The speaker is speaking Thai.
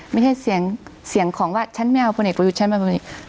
ไม่ใช่เสียงของว่าฉันไม่เอาคนเอกประยุทธ์ฉันไม่เอาคนเอกประยุทธ์